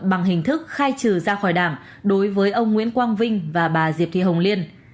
bằng hình thức khai trừ ra khỏi đảng đối với ông nguyễn quang vinh và bà diệp thị hồng liên